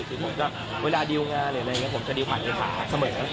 คือคือจากเวลาดิวงานอะไรแบบนี้